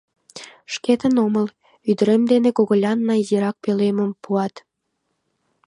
Шкетын омыл, ӱдырем дене когылянна изирак пӧлемым пуат.